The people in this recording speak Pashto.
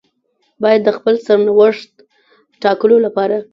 بايد د خپل سرنوشت ټاکلو لپاره.